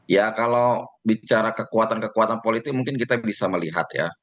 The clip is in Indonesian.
ya kalau bicara kekuatan kekuatan politik mungkin kita bisa melihat ya